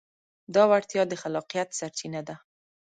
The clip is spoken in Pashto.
دا وړتیا د خلاقیت سرچینه ده.